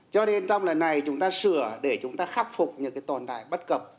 cho nên trong lần này chúng ta sửa để chúng ta khắc phục những cái tồn tại bất cập